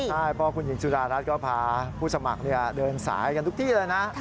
ใช่เพราะคุณหญิงสุดารัฐก็พาผู้สมัครเดินสายกันทุกที่เลยนะ